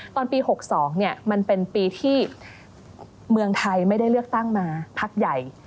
ตอนปี๖๒มันเป็นปีที่เมืองไทยไม่ได้เลือกตั้งมาพักใหญ่